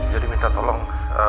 jadi minta tolong